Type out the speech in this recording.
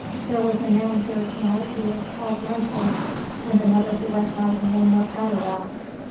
There was a man here to night who was called Wry face and another who went by the name of Gutter rat.